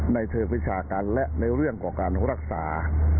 ในเชิงวิชาการและในเรื่องของการรักษา